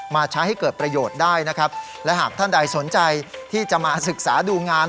มาใช้ให้เกิดประโยชน์ได้นะครับและหากท่านใดสนใจที่จะมาศึกษาดูงาน